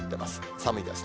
寒いですね。